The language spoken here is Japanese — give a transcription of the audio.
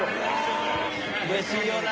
「うれしいよな」